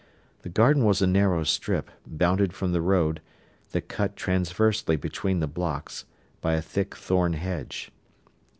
The garden was a narrow strip, bounded from the road, that cut transversely between the blocks, by a thick thorn hedge.